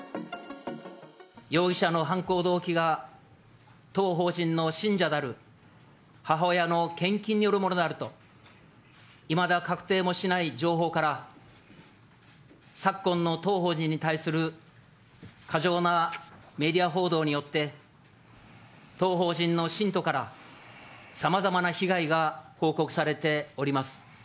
容疑者の犯行動機が、当法人の信者である母親の献金によるものであると、いまだ確定もしない情報から、昨今の当法人に対する過剰なメディア報道によって、当法人の信徒から、さまざまな被害が報告されております。